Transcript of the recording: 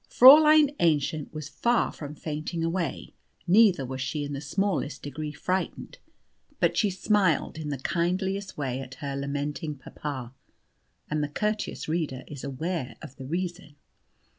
Fräulein Aennchen was far from fainting away, neither was she in the smallest degree frightened, but she smiled in the kindliest way at her lamenting papa, and the Courteous reader is aware of the reason.